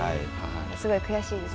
すごい悔しいです。